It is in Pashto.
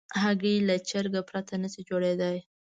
هګۍ له چرګه پرته نشي جوړېدای.